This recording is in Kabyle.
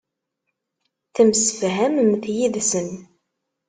Temsefhamemt yid-sen.